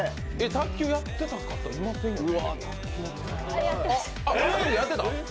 卓球やってた方いませんよね。